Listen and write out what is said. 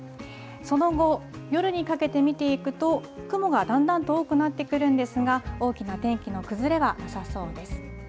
その後、夜にかけて見ていくと、雲がだんだんと多くなってくるんですが、大きな天気の崩れはなさそうです。